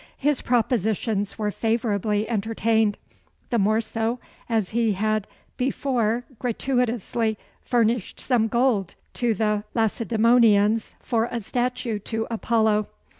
His propositions were favorably entertained the more so, as he had before gratuitously furnished some gold to the Lacedæmonians for a statue to Apollo.